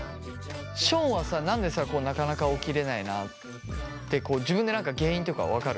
ションはさ何でさなかなか起きれないなって自分で何か原因とか分かる？